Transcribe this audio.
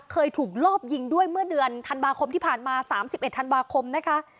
เคยถูกรอบยิงด้วยเมื่อเดือนธันวาคมที่ผ่านมา๓๑ธันวาคมนะคะ